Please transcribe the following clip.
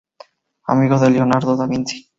Amigo de Leonardo da Vinci.